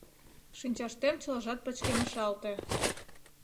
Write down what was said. Шинчаштем чылажат пычкемышалте.